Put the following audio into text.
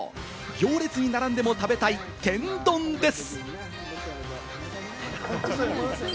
行列に並んでも食べたい天丼です！